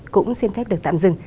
cũng xin phép được tạm dừng